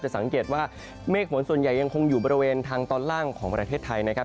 สังเกตว่าเมฆฝนส่วนใหญ่ยังคงอยู่บริเวณทางตอนล่างของประเทศไทยนะครับ